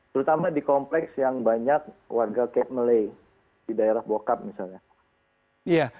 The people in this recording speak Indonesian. terutama di kompleks yang banyak warga cape malay di daerah bokap misalnya